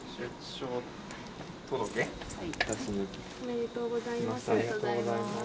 おめでとうございます。